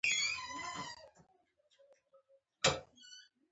ماهران ورواستوو.